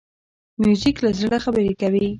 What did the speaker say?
موزیک له زړه خبرې کوي.